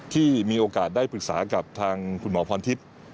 ที่มีโอกาสได้ปรึกษากับทางคุณหมอพรทิพย์